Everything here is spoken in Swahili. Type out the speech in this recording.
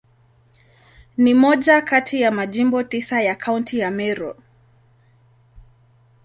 Ni moja kati ya Majimbo tisa ya Kaunti ya Meru.